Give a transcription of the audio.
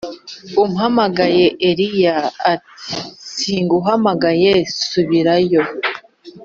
umpamagaye Eli ati Singuhamagaye subira yo